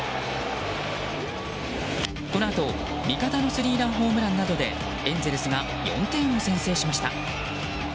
このあと、味方のスリーランホームランなどでエンゼルスが４点を先制しました。